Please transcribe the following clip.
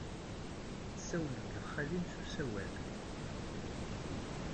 Tessawled d xali-m s usawal.